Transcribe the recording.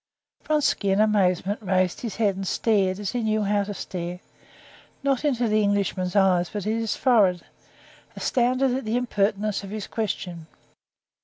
Vronsky in amazement raised his head, and stared, as he knew how to stare, not into the Englishman's eyes, but at his forehead, astounded at the impertinence of his question.